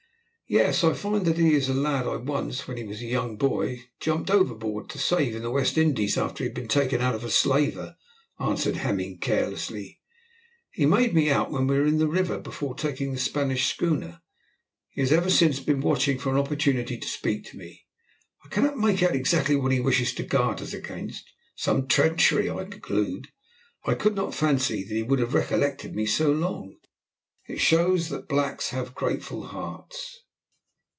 "Yes, I find that he is a lad I once, when he was a young boy, jumped overboard to save in the West Indies after he had been taken out of a slaver," answered Hemming carelessly. "He made me out when we were in the river before taking the Spanish schooner, and has ever since been watching for an opportunity to speak to me. I cannot make out exactly what he wishes to guard us against some treachery, I conclude. I could not fancy that he would have recollected me so long. It shows that blacks have grateful hearts."